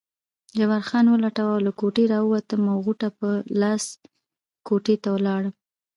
جبار خان ولټوه، له کوټې راووتم او غوټه په لاس کوټې ته ولاړم.